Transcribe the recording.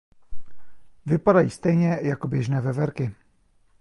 Vypadají stejně jako běžné veverky.